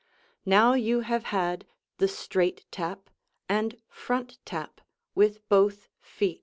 Now, you have had the "straight tap" and "front tap" with both feet.